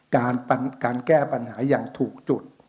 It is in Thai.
การแก้ปัญหาอย่างถูกจุด